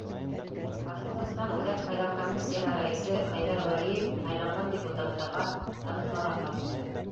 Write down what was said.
Башҡортостан Үҙәк һайлау комиссияһы рәйесе Хәйҙәр Вәлиев һайланған депутаттарға танытмалар тапшырҙы.